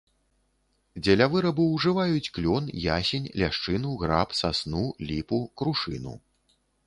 Дзеля вырабу ўжываюць клён, ясень, ляшчыну, граб, сасну, ліпу, крушыну.